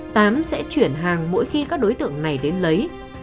tám sẽ chuyển hàng mỗi khi các đối tượng này đến lấy